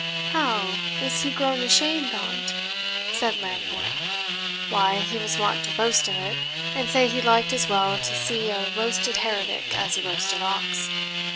"How! is he grown ashamed on't?" said Lambourne, "Why, he was wont to boast of it, and say he liked as well to see a roasted heretic as a roasted ox."